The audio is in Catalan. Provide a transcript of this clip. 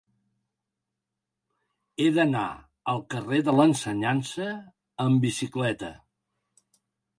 He d'anar al carrer de l'Ensenyança amb bicicleta.